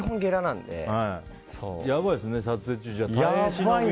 やばいですね、じゃあ撮影中。